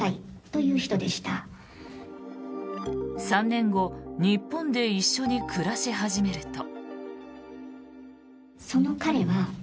３年後日本で一緒に暮らし始めると。